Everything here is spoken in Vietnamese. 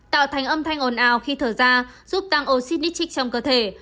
tạo thành âm thanh ồn ào khi thở ra giúp tăng oxy trong cơ thể